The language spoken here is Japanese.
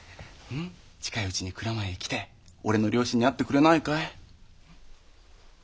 近いうちに蔵前へ来て俺の両親に会ってくれないかい？